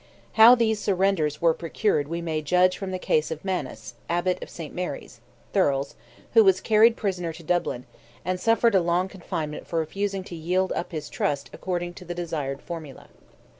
How these "surrenders" were procured we may judge from the case of Manus, Abbot of St. Mary's, Thurles, who was carried prisoner to Dublin, and suffered a long confinement for refusing to yield up his trust according to the desired formula.